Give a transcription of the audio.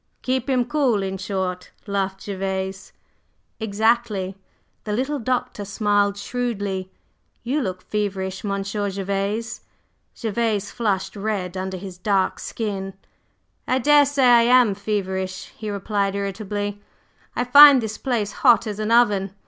"Keep him cool, in short!" laughed Gervase. "Exactly!" The little Doctor smiled shrewdly. "You look feverish, Monsieur Gervase." Gervase flushed red under his dark skin. "I daresay I am feverish," he replied irritably, "I find this place hot as an oven.